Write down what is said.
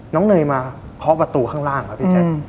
เนยมาเคาะประตูข้างล่างครับพี่แจ๊ค